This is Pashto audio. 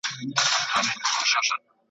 په ویاله کي چي اوبه وي یو ځل تللي بیا بهیږي .